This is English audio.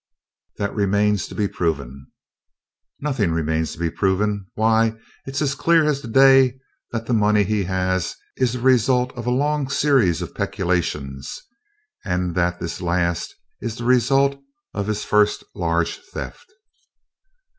"That remains to be proven." "Nothing remains to be proven. Why, it 's as clear as day that the money he has is the result of a long series of peculations, and that this last is the result of his first large theft."